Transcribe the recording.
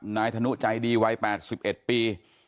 ธนุใจดีวัย๘๑ปี